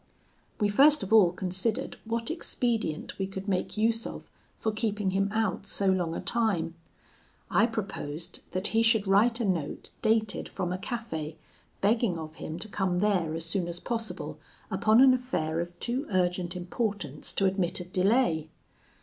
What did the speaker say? "We first of all considered what expedient we could make use of for keeping him out so long a time. I proposed that he should write a note dated from a cafe, begging of him to come there as soon as possible upon an affair of too urgent importance to admit of delay.